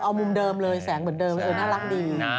เอามุมเดิมเลยแสงเหมือนเดิมน่ารักดี